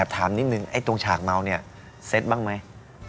ตรงฉากเมาเนี่ยเซตบ้างไหม